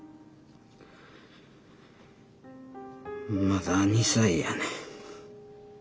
まだ２歳やねん。